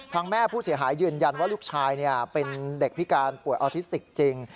แม่ผู้เสียหายยืนยันว่าลูกชายเป็นเด็กพิการป่วยออทิสติกจริง